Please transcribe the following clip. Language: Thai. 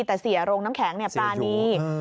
แต่เสียโรงน้ำแข็งปรานี